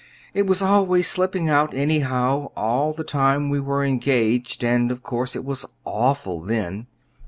It was always slipping out, anyhow, all the time we were engaged; and of course it was awful then."